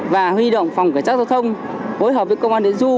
và huy động phòng cải trác giao thông hối hợp với công an tỉnh du